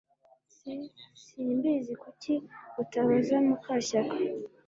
S Simbizi Kuki utabaza mukashyaka